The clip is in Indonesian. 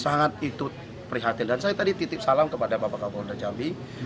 sangat ikut prihatin dan saya tadi titip salam kepada bapak kapolda jambi